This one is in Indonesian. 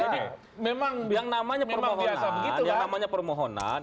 jadi yang namanya permohonan